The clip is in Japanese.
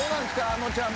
あのちゃん。